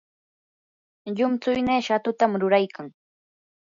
llumtsuynii shatutam ruraykan.